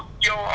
thì nói chung là